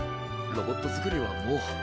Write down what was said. ロボットづくりはもう。